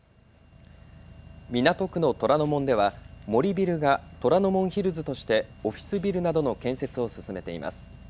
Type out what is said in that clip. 港区の虎ノ門では森ビルが虎ノ門ヒルズとしてオフィスビルなどの建設を進めています。